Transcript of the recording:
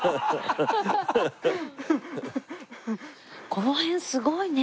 この辺すごいね。